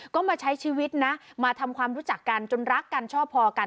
ก็มาใช้ชีวิตนะมาทำความรู้จักกันจนรักกันชอบพอกัน